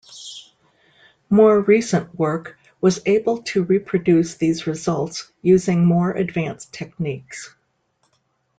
More recent work was able to reproduce these results using more advanced techniques.